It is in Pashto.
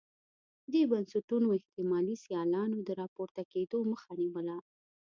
دې بنسټونو د احتمالي سیالانو د راپورته کېدو مخه نیوله.